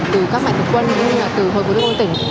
từ các mạnh thực quân cũng như là từ hội quốc đồng hồ tỉnh